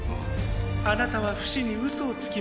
あなたはフシに嘘をつきましたね。